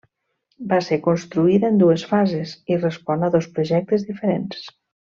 Va ser construïda en dues fases, i respon a dos projectes diferents.